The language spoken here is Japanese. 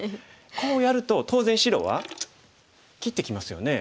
こうやると当然白は切ってきますよね。